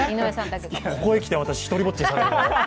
ここへきて、私、独りぼっちにされるの？